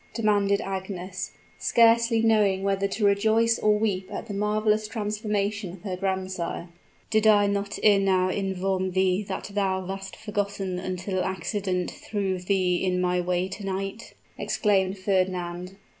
'" demanded Agnes, scarcely knowing whether to rejoice or weep at the marvelous transformation of her grandsire. "Did I not ere now inform thee that thou wast forgotten until accident threw thee in my way to night?" exclaimed Fernand.